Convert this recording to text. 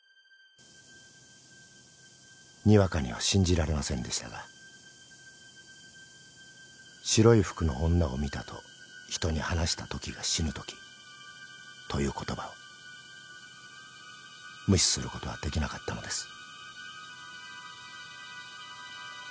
［にわかには信じられませんでしたが「白い服の女を見た」と人に話したときが死ぬときという言葉を無視することはできなかったのです］